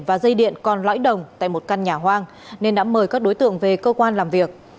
và dây điện còn lõi đồng tại một căn nhà hoang nên đã mời các đối tượng về cơ quan làm việc